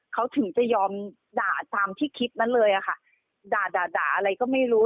เขาถึงจะยอมด่าตามที่คลิปนั้นเลยอะค่ะด่าด่าอะไรก็ไม่รู้